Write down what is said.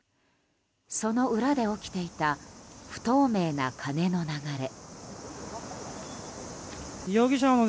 その裏で起きていた不透明な金の流れ。